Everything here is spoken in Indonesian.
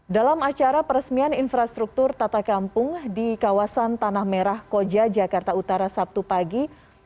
dalam acara peresmian infrastruktur tata kampung di kawasan tanah merah koja jakarta utara sabtu pagi